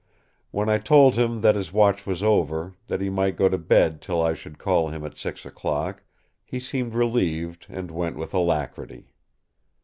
When I told him that his watch was over; that he might go to bed till I should call him at six o'clock, he seemed relieved and went with alacrity.